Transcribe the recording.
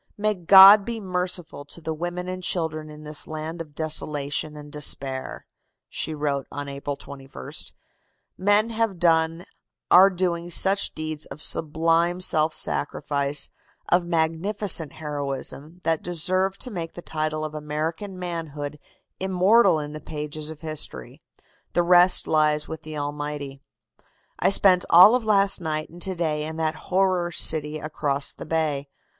"May God be merciful to the women and children in this land of desolation and despair!" she wrote on April 21st. "Men have done, are doing such deeds of sublime self sacrifice, of magnificent heroism, that deserve to make the title of American manhood immortal in the pages of history. The rest lies with the Almighty. "I spent all of last night and to day in that horror city across the bay.